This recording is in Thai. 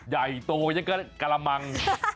ใหญ่โตยังก็กระมัง